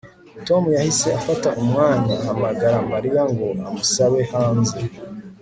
Tom yahise afata umwanya ahamagara Mariya ngo amusabe hanze